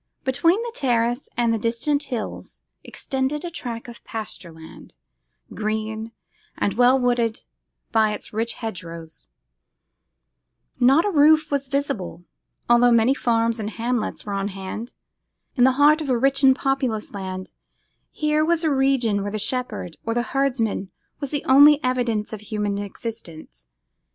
Between the terrace and the distant hills extended a tract of pasture land, green and well wooded by its rich hedgerows; not a roof was visible, though many farms and hamlets were at hand; and, in the heart of a rich and populous land, here was a region where the shepherd or the herdsman was the only evidence of human existence.